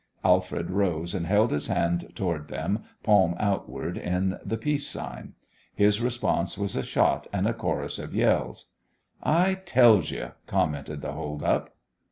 Alfred rose and held his hand toward them, palm outward, in the peace sign. His response was a shot and a chorus of yells. "I tells you," commented the hold up.